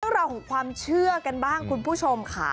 เรื่องราวของความเชื่อกันบ้างคุณผู้ชมค่ะ